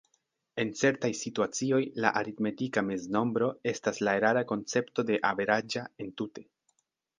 En certaj situacioj, la aritmetika meznombro estas la erara koncepto de "averaĝa" entute.